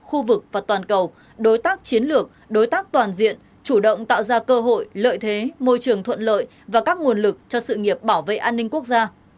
khu vực và toàn cầu đối tác chiến lược đối tác toàn diện chủ động tạo ra cơ hội lợi thế môi trường thuận lợi và các nguồn lực cho sự nghiệp bảo vệ an ninh quốc gia